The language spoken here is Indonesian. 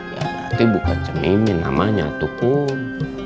ya tapi bukan cok mimim namanya tuh kum